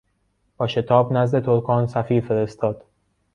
با شتاب نزد ترکان سفیر فرستاد.